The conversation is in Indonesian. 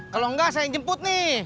kalau enggak saya jemput nih